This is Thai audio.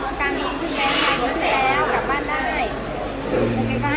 เก่ากราณนี้ฉันแม่ใจโกหกแล้ว